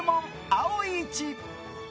青一。